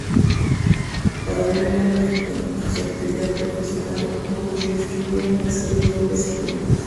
Paralelamente a su actividad profesional, Boucher escribió una serie de obras jurídicas.